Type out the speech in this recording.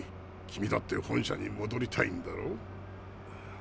君だって本社にもどりたいんだろ？